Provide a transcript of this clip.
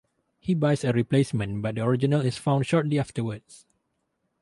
He buys a replacement, but the original is found shortly afterwards.